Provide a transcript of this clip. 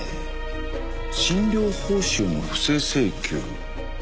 「診療報酬の不正請求」。